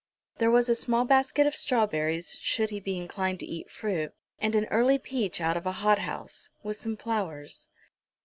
There was a small basket of strawberries, should he be inclined to eat fruit, and an early peach out of a hothouse, with some flowers.